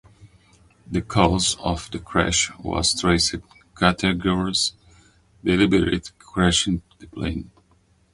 The cause of the crash was traced to Katagiri's deliberate crashing the plane.